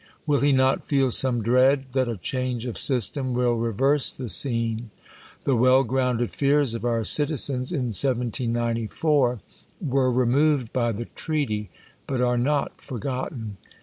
WiU he not feel some dread that a change of system will tq^ verse the scene ? The well grounded frars of our citi zens, in 1794, were removed by the treaty, but are no forgotten.